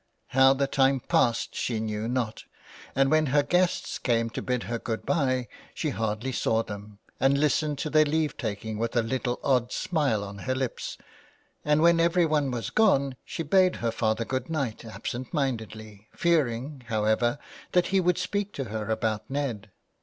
How the time passed she knew not, and when her guests came to bid her good bye she hardly saw them, and listened to their leave taking with a little odd smile on her lips, and when everyone was gone she bade her father good night absent mindedly, fearing, however, that he would speak to her about Ned.